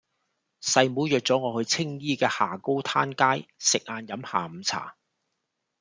細妹約左我去青衣嘅下高灘街食晏飲下午茶